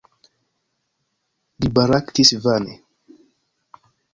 Li baraktis vane.